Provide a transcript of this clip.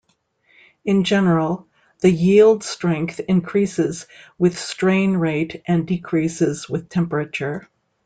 In general, the yield strength increases with strain rate and decreases with temperature.